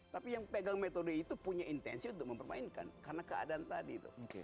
tapi yang pegang metode itu punya intensi untuk mempermainkan karena keadaan tadi tuh